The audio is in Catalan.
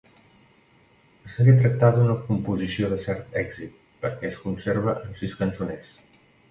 Es degué tractar d'una composició de cert èxit perquè es conserva en sis cançoners.